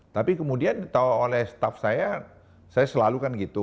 tapi kemudian ditawa oleh staff saya saya selalu kan gitu